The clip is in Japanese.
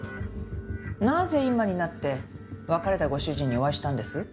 なぜ今になって別れたご主人にお会いしたんです？